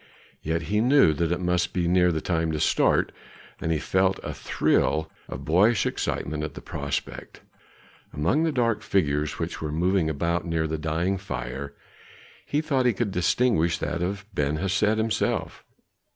Yet he knew that it must be near the time to start, and he felt a thrill of boyish excitement at the prospect. Among the dark figures which were moving about near the dying fire he thought he could distinguish that of Ben Hesed himself.